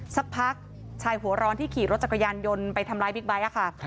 สักพักชายหัวร้อนที่ขี่รถจักรยานยนต์ไปทำร้ายบิ๊กไบท์ค่ะ